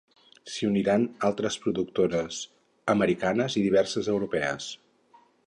S'hi uniran altres productores americanes i diverses europees.